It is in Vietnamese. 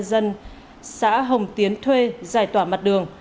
tại thôn cao quán xã hồng tiến thuê giải tỏa mặt đường